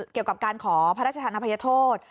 เกี่ยวกับการขอพระราชธานภัยโทษ